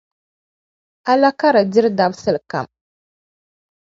A la ka di diri dabisili kam?